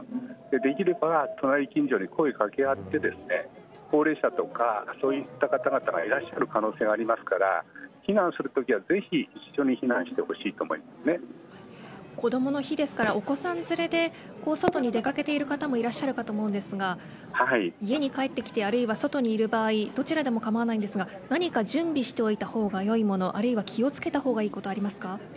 できれば隣近所に声を掛け合ってですね高齢者とかそういった方々がいらっしゃる可能性がありますから避難するときは、ぜひ一緒に避難してほしいとこどもの日ですからお子さん連れで外に出掛けている方もいらっしゃると思うんですが家に帰ってきてあるいは外にいる場合どちらでも構わないんですが何か準備しておいた方がいいものあるいは気を付けた方がいいものありますか。